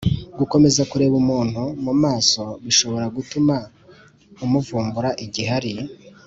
gukomeza kureba umuntu mu maso bishobora gutuma umuvumbura igihe ari